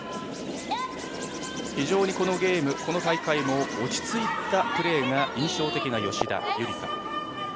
非常にこのゲーム、この大会も落ち着いたプレーが印象的な吉田夕梨花。